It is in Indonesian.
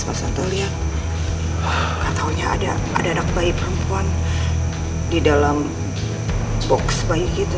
masa itu liat katanya ada anak bayi perempuan di dalam box bayi gitu